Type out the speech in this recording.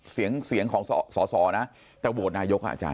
เสียงของสอนะแต่โบสถ์นายกอ่ะอาจารย์